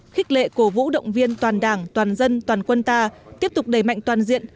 khích lệ cổ vũ động viên toàn đảng toàn dân toàn quân ta tiếp tục đẩy mạnh toàn diện